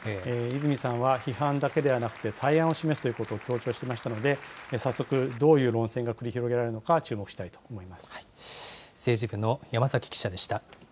泉さんは、批判だけではなくて対案を示すということを強調してましたので、早速、どういう論戦が繰り広げられるのか、注目したい政治部の山崎記者でした。